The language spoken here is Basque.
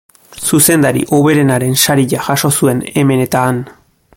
Zuzendari hoberenaren saria jaso zuen hemen eta han.